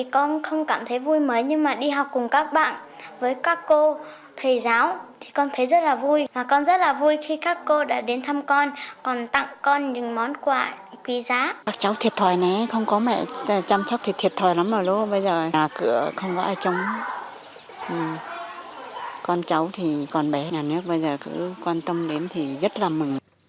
con cháu thì còn bé nhà nước bây giờ cứ quan tâm đến thì rất là mừng